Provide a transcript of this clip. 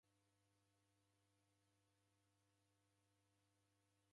Msukwa nio ulolaa modo.